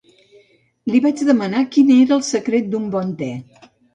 Li vaig demanar quin era el secret d'un bon te.